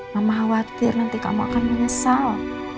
mama khawatir nanti kamu akan menyesal